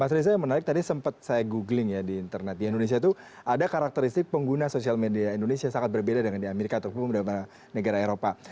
mas reza yang menarik tadi sempat saya googling ya di internet di indonesia itu ada karakteristik pengguna sosial media indonesia sangat berbeda dengan di amerika ataupun di negara eropa